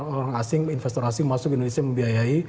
orang asing investor asing masuk indonesia membiayai